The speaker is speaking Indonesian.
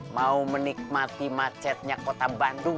mau menikmati macetnya kota bandung